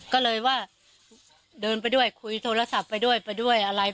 ก็เลยว่าเดินไปด้วยคุยโทรศัพท์ไปด้วยไปด้วยอะไร